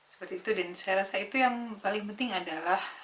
seperti itu dan saya rasa itu yang paling penting adalah